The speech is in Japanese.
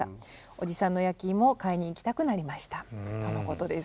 おじさんの焼きいもを買いに行きたくなりました」とのことです。